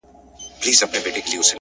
زما او ستا تر منځ صرف فرق دادى _